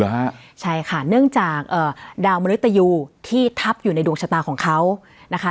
ฮะใช่ค่ะเนื่องจากเอ่อดาวมนุษยูที่ทับอยู่ในดวงชะตาของเขานะคะ